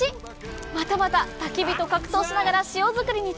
またまたたき火と格闘しながら塩作りに挑戦。